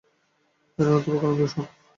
এর অন্যতম কারণ দূষণ।